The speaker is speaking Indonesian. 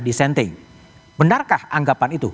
dissenting benarkah anggapan itu